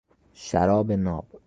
شراب ناب